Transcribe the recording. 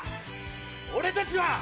俺たちは。